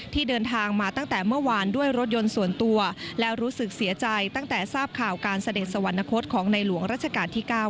ที่เดินทางมาตั้งแต่เมื่อวานด้วยรถยนต์ส่วนตัวและรู้สึกเสียใจตั้งแต่ทราบข่าวการเสด็จสวรรคตของในหลวงราชการที่๙